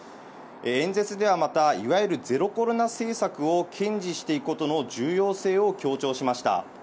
演説ではまた、いわゆるゼロコロナ政策を堅持していくことの重要性を強調しました。